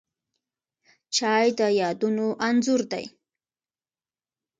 چای د یادونو انځور دی